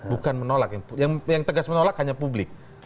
bukan menolak yang tegas menolak hanya publik